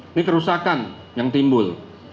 ini kerusakan yang timbul